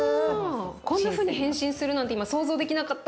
こんなふうに変身するなんて今想像できなかった。